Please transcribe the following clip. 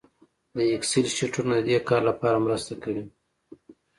د اکسل شیټونه د دې کار لپاره مرسته کوي